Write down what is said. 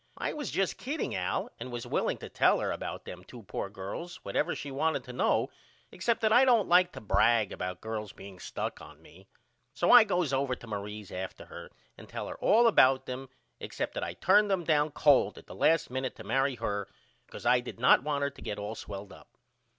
I was just kidding Al and was willing to tell her about them two poor girls whatever she wanted to know except that I don't like to brag about girls being stuck on me. So I goes over to Marie's after her and tell her all about them except that I turned them down cold at the last minute to marry her because I did not want her to get all swelled up.